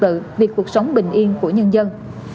từ việc cuộc sống bình yên của nhân dân